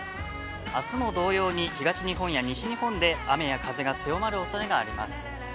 あすも同様に、東日本や西日本で雨や風が強まるおそれがあります。